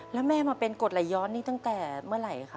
แล้วแม่มาเป็นกฎไหลย้อนนี่ตั้งแต่เมื่อไหร่คะ